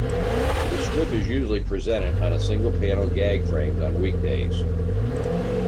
The strip is usually presented in single-panel gag frames on weekdays.